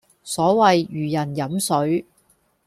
所謂如人飲水